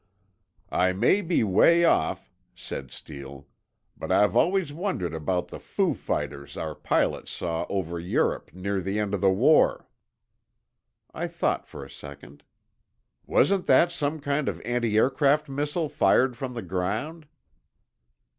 "I may be way off," said Steele. "But I've always wondered about the 'foo fighters' our pilots saw over Europe near the end of the war." I thought for a second. "Wasn't that some kind of antiaircraft missile fired from the ground?"